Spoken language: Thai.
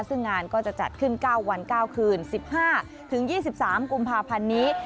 ซึ่งงานก็จะจัดขึ้นเก้าวันเก้าคืนสิบห้าถึงยี่สิบสามกรุงภาพันธุ์นี้